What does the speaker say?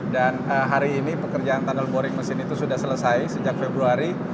dan hari ini pekerjaan tunnel boring mesin itu sudah selesai sejak februari